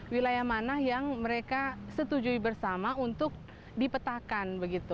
wilayah mana yang mereka setujui bersama untuk dipetakan